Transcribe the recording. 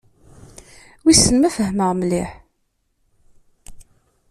Wissen ma fehmeɣ mliḥ.